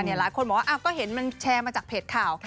หลายคนบอกว่าก็เห็นมันแชร์มาจากเพจข่าว